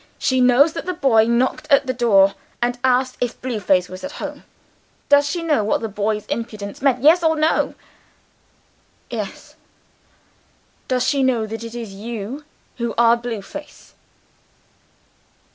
She knows that the boy knocked at the door, and asked if Blue Face was at home. Does she know what the boy's impudence meant? Yes? or No?" "Yes." "Does she know that it is you who are Blue Face?"